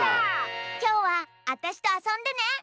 きょうはあたしとあそんでね！